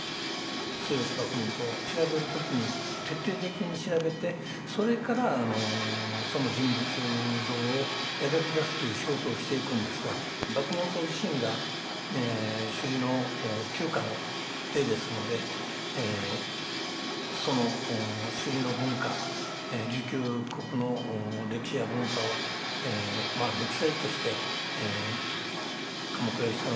末吉麦門冬は調べる時に徹底的に調べてそれからその人物像を描き出すという仕事をしていくんですが麦門冬自身が首里の旧家の出ですのでその首里の文化琉球国の歴史や文化を肉声として鎌倉芳太郎に教えていく。